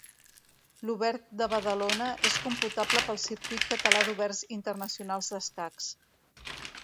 L'Obert de Badalona és computable pel Circuit Català d'Oberts Internacionals d'Escacs.